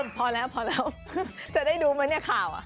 พอแล้วจะได้ดูหน่อยข่าว